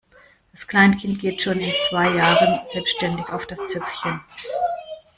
Das Kleinkind geht schon mit zwei Jahren selbstständig auf das Töpfchen.